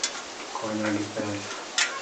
Konya gi pesa